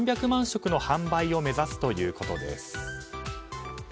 食の販売を目指すということです。